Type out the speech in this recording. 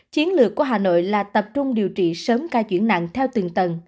chiến lược của hà nội là tập trung điều trị sớm ca chuyển nặng theo từng tầng